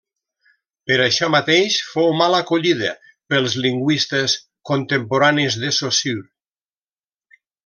Per això mateix fou mal acollida pels lingüistes contemporanis de Saussure.